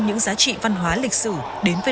những giá trị văn hóa lịch sử đến với